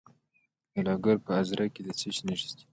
د لوګر په ازره کې د څه شي نښې دي؟